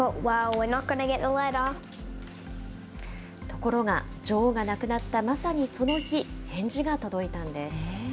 ところが、女王が亡くなったまさにその日、返事が届いたんです。